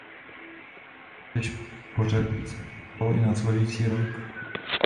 Totéž pořadí se opakovalo i následující rok.